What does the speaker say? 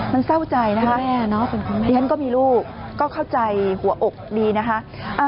มันเศร้าใจนะคะดิฉันก็มีลูกก็เข้าใจหัวอกดีนะคะ